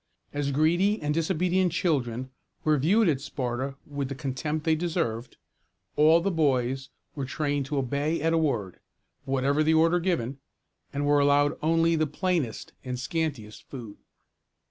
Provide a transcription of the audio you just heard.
As greedy and disobedient children were viewed at Sparta with the contempt they deserved, all the boys were trained to obey at a word, whatever the order given, and were allowed only the plainest and scantiest food.